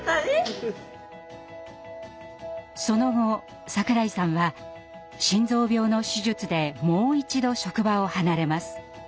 その後櫻井さんは心臓病の手術でもう一度職場を離れます。